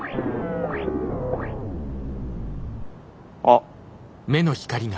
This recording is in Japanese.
あっ。